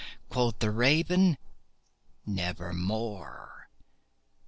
Quoth the Raven, "Nevermore."